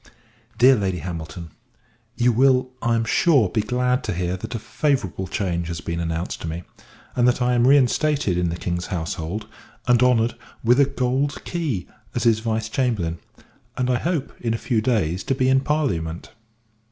DEAR LADY HAMILTON, You will, I am sure, be glad to hear, that a favourable change has been announced to me; and that I am reinstated in the King's household, and honoured with a gold key, as his Vice Chamberlain and I hope, in a few days, to be in parliament.